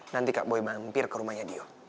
nanti kaboy mampir ke rumahnya dio